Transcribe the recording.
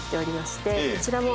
こちらも。